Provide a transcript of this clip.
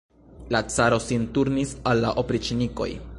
La caro sin turnis al la opriĉnikoj.